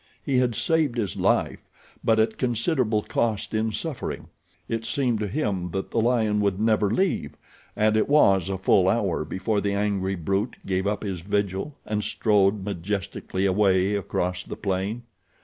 He had saved his life; but at considerable cost in suffering. It seemed to him that the lion would never leave, and it was a full hour before the angry brute gave up his vigil and strode majestically away across the plain.